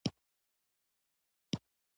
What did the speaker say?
ازادي راډیو د اټومي انرژي د تحول لړۍ تعقیب کړې.